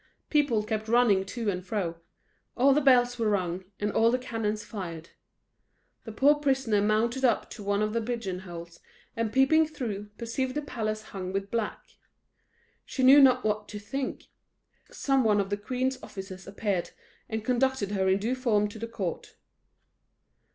People kept running to and fro all the bells were rung, and all the cannons fired. The poor prisoner mounted up to one of the pigeon holes, and peeping through, perceived the palace hung with black. She knew not what to think. But some one of the queen's officers appeared, and conducted her in due form to the court.